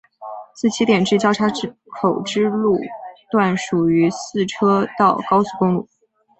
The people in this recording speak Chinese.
自起点至交叉口之路段属于四车道高速公路。